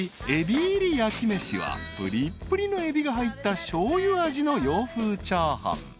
エビ入りヤキメシはぷりっぷりのエビが入ったしょうゆ味の洋風チャーハン］